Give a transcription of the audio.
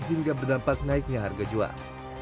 hingga berdampak naiknya harga jual